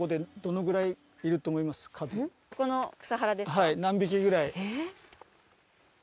はい何匹ぐらい？